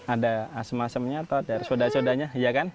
ada asem asemnya atau dari soda sodanya ya kan